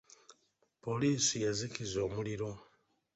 Poliisi yazikiza omuliro.